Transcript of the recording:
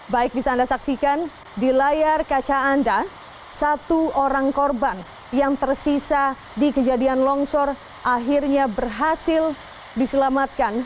baik bisa anda saksikan di layar kaca anda satu orang korban yang tersisa di kejadian longsor akhirnya berhasil diselamatkan